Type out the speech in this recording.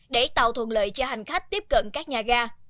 để tạo thuận lợi cho hành khách tiếp cận các nhà ga